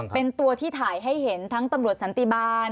เป็นตัวที่ถ่ายให้เห็นทั้งตำรวจสันติบาล